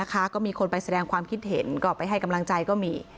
ก็มีคนไปแสดงความคิดเห็นก็ไปให้กำลังใจก็มี